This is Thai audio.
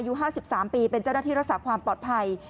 ยูห้าสิบสามปีเป็นเจ้าหน้าที่รักษาความปลอดภัย